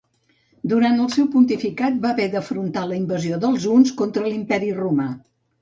Durant el seu pontificat va haver d'afrontar la invasió dels Huns contra l'imperi romà.